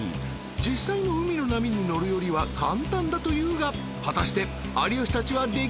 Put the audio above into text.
［実際の海の波に乗るよりは簡単だというが果たして有吉たちはできるのか？］